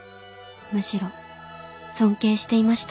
むしろ尊敬していました。